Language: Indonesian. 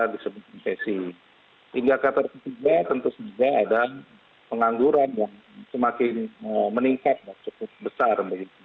lebih indah dibandingkan kuartal ketiga yang dua ribu sembilan belas sebesar lima lima